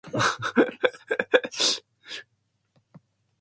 The release did not support Shapefiles at the time.